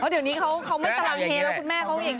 เดี๋ยวนี้เขามันสามารถเฮโรค์